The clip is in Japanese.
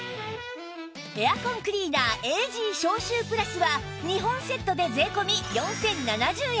エアコンクリーナー ＡＧ 消臭プラスは２本セットで税込４０７０円です